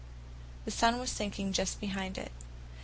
The sun was sinking just behind it.